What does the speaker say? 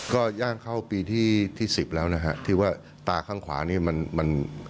ก็ย่างเข้าปีที่๑๐แล้วนะครับที่ว่าตาข้างขวานี่มัน